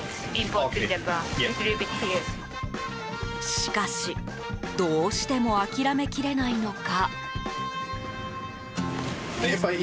しかし、どうしても諦めきれないのか。